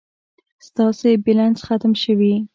ستاسي بلينس ختم شوي